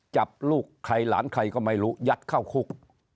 จับลูกใครหลานใครก็ไม่รู้ยัดเข้าคุก